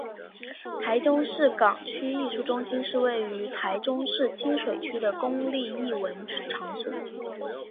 台中市港区艺术中心是位于台中市清水区的公立艺文场所。